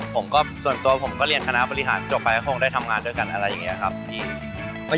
ผมก็ส่วนตัวผมก็เรียนคณะบริหารจบไปก็คงได้ทำงานด้วยกันอะไรอย่างนี้ครับ